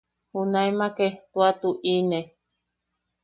Junaemake tua tuʼine.